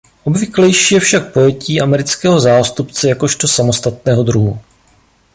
Obvyklejší je však pojetí amerického zástupce jakožto samostatného druhu.